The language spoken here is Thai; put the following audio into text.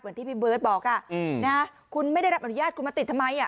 เหมือนที่พี่เบิ้ลบอกอ่ะอืมนะฮะคุณไม่ได้รับอนุญาตคุณมาติดทำไมอ่ะ